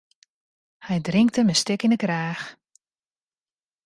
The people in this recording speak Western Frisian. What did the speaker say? Hy drinkt him in stik yn 'e kraach.